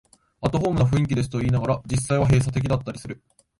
アットホームな雰囲気ですと言いながら、実際は閉鎖的だったりする